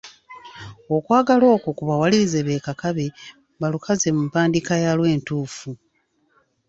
Okwagala okwo kakubawalirize beekakabe, balukaze mu mpandiika yaalwo entuufu.